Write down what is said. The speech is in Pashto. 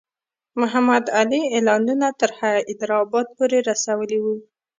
محمدعلي اعلانونه تر حیدرآباد پوري رسولي وو.